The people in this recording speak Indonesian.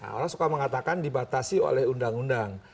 orang suka mengatakan dibatasi oleh undang undang